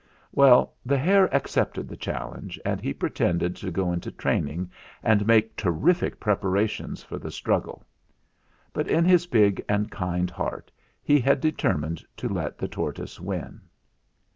" Well, the hare accepted the challenge, and he pretended to go into training and make ter rific preparations for the struggle; but in his big and kind heart he had determined to let the tortoise win